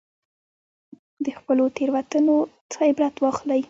د خپلو تېروتنو څخه عبرت واخلئ.